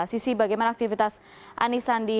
sisi bagaimana aktivitas anies sandi